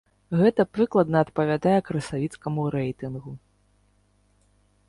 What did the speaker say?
Гэта прыкладна адпавядае красавіцкаму рэйтынгу.